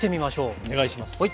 お願いします。